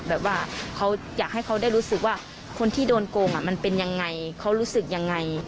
แบบว่าเขาอยากให้เขาได้รู้สึกว่าคนที่โดนโกงมันเป็นยังไงเขารู้สึกยังไง